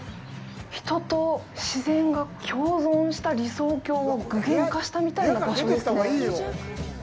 人と自然が共存した理想郷を具現化したみたいな場所ですね。